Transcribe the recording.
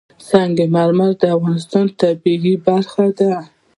سنگ مرمر د افغانستان د طبیعت برخه ده.